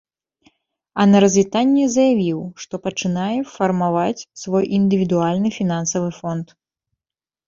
А на развітанне заявіў, што пачынае фармаваць свой індывідуальны фінансавы фонд.